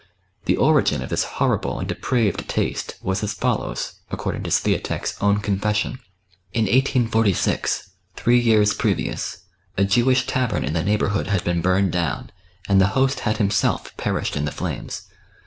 The origin of this horrible and depraved taste was as follows, according to Swiatek's own confession :— In 1846, three years previous, a Jewish tavern in the neighbourhood had been burned down, and the host had himself perished in the flames.